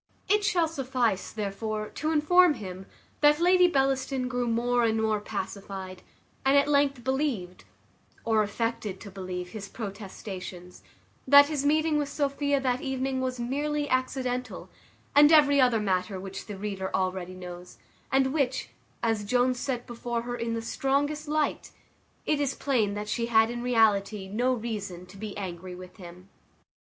It shall suffice, therefore, to inform him, that Lady Bellaston grew more and more pacified, and at length believed, or affected to believe, his protestations, that his meeting with Sophia that evening was merely accidental, and every other matter which the reader already knows, and which, as Jones set before her in the strongest light, it is plain that she had in reality no reason to be angry with him.